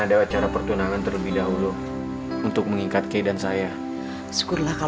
ada alasan apa ibu harus ngelak agung